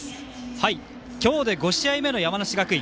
今日で５試合目の山梨学院。